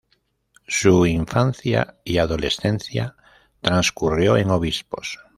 Su infancia y adolescencia transcurrió en Obispos.